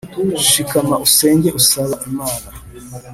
shikama usenge usaba imana